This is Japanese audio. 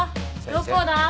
どこだ？